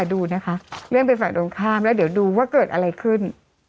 ดูนะคะเลื่อนไปฝั่งตรงข้ามแล้วเดี๋ยวดูว่าเกิดอะไรขึ้น